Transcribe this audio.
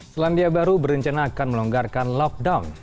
selandia baru berencana akan melonggarkan lockdown